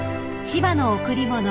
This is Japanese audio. ［『千葉の贈り物』］